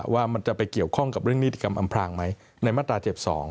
ว่ามันจะไปเกี่ยวข้องกับเรื่องนิติกรรมอำพลางไหมในมาตรา๗๒